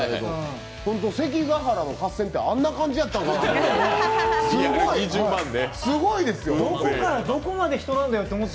ほんと関ヶ原の合戦って、あんな感じやったんかなって。